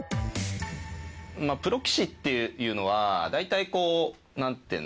プロ棋士っていうのは大体、なんていうんですかね。